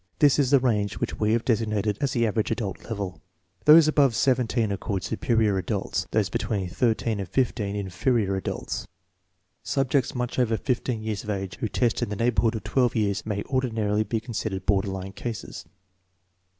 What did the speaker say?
This is the range which we have designated as the " average adult " level. Those above 17 are called " superior adults, "'those between 13 and 15, " inferior adults." Subjects much over 15 years of age who test in the neighborhood of 1 years may ordinarily be considered border line cases.